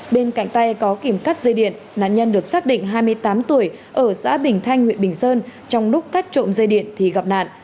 bên cạnh tay có kìm cắt dây điện nạn nhân được xác định hai mươi tám tuổi ở xã bình thanh huyện bình sơn trong lúc cắt trộm dây điện thì gặp nạn